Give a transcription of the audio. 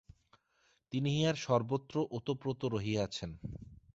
তিনি ইহার সর্বত্র ওতপ্রোত রহিয়াছেন।